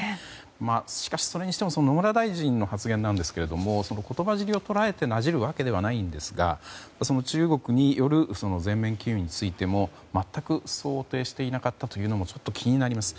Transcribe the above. しかしそれにしても野村大臣の発言なんですが言葉尻を捉えてなじるわけではないんですが中国による全面禁輸についても全く想定していなかったのもちょっと気になります。